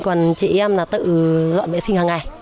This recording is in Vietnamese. còn chị em là tự dọn vệ sinh hàng ngày